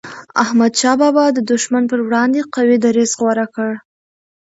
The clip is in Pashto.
احمد شاه بابا د دښمن پر وړاندي قوي دریځ غوره کړ.